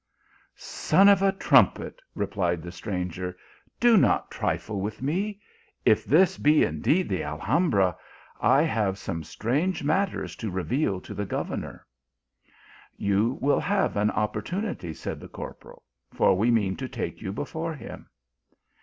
"" Son of a trumpet," replied the stranger, " do not trille with me ; if this be indeed the Alhambra, I have some strange matters to reveal to the governor." "You will have an opportunity," said the cor poral, "for we mean to take you before him."